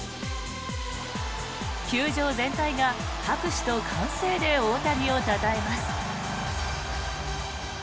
球場全体が拍手と歓声で大谷をたたえます。